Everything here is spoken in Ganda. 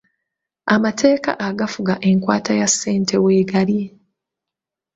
Amateeka agafufa enkwata ya ssente weegali.